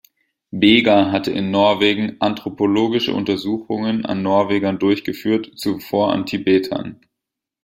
Beger hatte in Norwegen anthropologische Untersuchungen an Norwegern durchgeführt, zuvor an Tibetern.